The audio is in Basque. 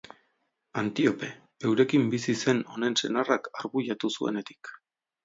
Antiope, eurekin bizi zen honen senarrak arbuiatu zuenetik.